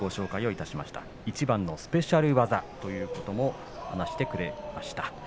いちばんのスペシャル技ということも話してくれました。